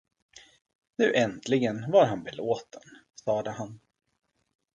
Nu äntligen var han belåten, sade han.